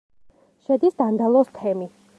შედის დანდალოს თემი.